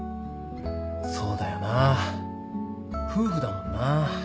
そうだよな夫婦だもんな。